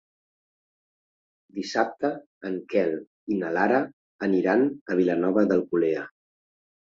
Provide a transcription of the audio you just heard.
Dissabte en Quel i na Lara aniran a Vilanova d'Alcolea.